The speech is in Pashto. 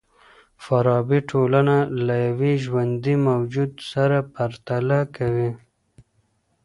فارابي ټولنه له يوه ژوندي موجود سره پرتله کوي.